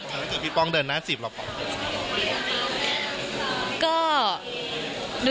แล้วถ้าพี่ป้องเดินหน้า๑๐เราบอกกันไหม